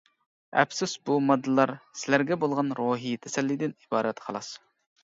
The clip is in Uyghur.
ئەپسۇس بۇ ماددىلار سىلەرگە بولغان روھى تەسەللىدىن ئىبارەت خالاس!